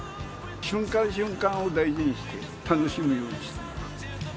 瞬間瞬間を大事にして、楽しむようにしてます。